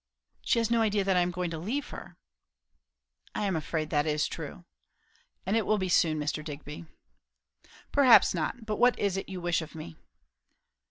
"She has no idea that I am going to leave her." "I am afraid that is true." "And it will be soon Mr. Digby." "Perhaps not; but what is it you wish of me?"